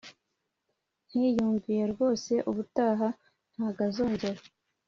Nti: yumviye rwose, ubutaha ntago azongera